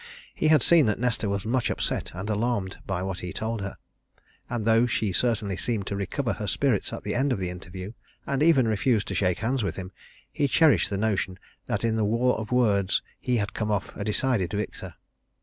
He had seen that Nesta was much upset and alarmed by what he told her. And though she certainly seemed to recover her spirits at the end of the interview, and even refused to shake hands with him, he cherished the notion that in the war of words he had come off a decided victor.